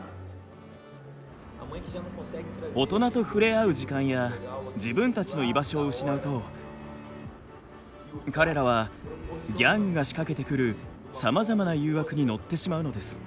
大人と触れ合う時間や自分たちの居場所を失うと彼らはギャングが仕掛けてくるさまざまな誘惑に乗ってしまうのです。